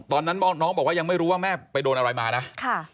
ตอนนั้นน้องบอกว่ายังไม่รู้ว่าแม่ไปโดนอะไรมานะ